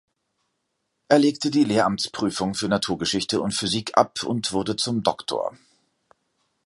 Er legte die Lehramtsprüfung für Naturgeschichte und Physik ab und wurde zum "Dr.